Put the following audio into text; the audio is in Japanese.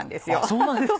そうなんですか。